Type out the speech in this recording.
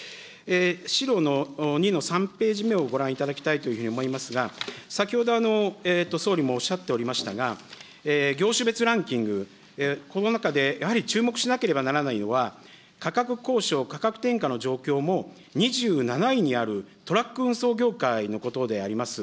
資料の２の３ページ目をご覧いただきたいというふうに思いますが、先ほど、総理もおっしゃっておりましたが、業種別ランキング、この中でやはり注目しなければならないのは、価格交渉、価格転嫁の状況の２７位にあるトラック運送業界のことであります。